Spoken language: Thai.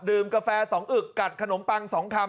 กาแฟ๒อึกกัดขนมปัง๒คำ